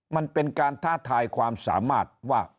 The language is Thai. มันเป็นการท้าทายความสามารถว่า